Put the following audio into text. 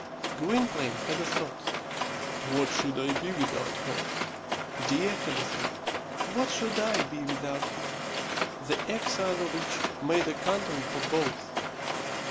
Gwynplaine had a thought "What should I be without her?" Dea had a thought "What should I be without him?" The exile of each made a country for both.